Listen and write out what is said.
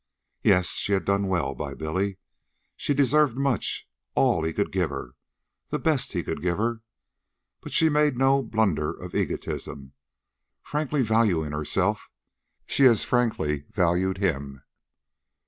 Yes, she had done well by Billy. She deserved much all he could give her, the best he could give her. But she made no blunder of egotism. Frankly valuing herself, she as frankly valued him.